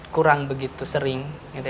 kurang begitu sering